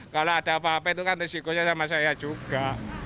kalau ada apa apa itu kan risikonya sama saya juga